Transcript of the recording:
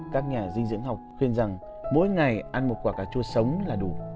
các nhà dinh dưỡng học khuyên rằng mỗi ngày ăn một quả cà chua sống là đủ